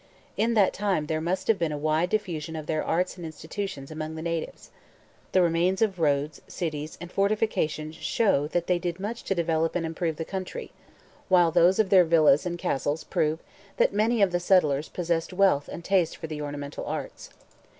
In that time there must have been a wide diffusion of their arts and institutions among the natives. The remains of roads, cities, and fortifications show that they did much to develop and improve the country, while those of their villas and castles prove that many of the settlers possessed wealth and taste for the ornamental arts.